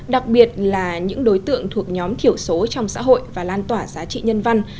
đặc biệt là những đối tượng thuộc nhóm thiểu số trong xã hội và lan tỏa giá trị nhân văn